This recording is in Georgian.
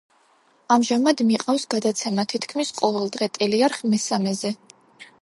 ამჟამად მიყავს გადაცემა „თითქმის ყოველდღე“ ტელეარხ „მესამეზე“.